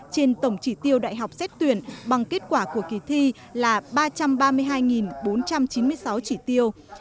trên tổng chỉ tiêu đại học xét tuyển bằng kết quả của kỳ thi là ba trăm ba mươi hai bốn trăm chín mươi sáu chỉ tiêu